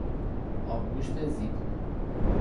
آبگوشت زیپو